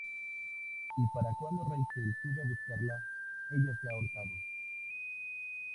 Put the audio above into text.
Y para cuando Rachel sube a buscarla, ella se ha ahorcado.